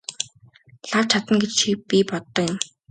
Лав чадна гэж би боддог юм.